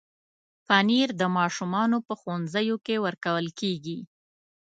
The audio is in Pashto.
پنېر د ماشومانو په ښوونځیو کې ورکول کېږي.